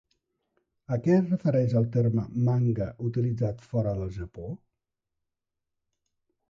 A què es refereix el terme “Manga” utilitzat fora del Japó?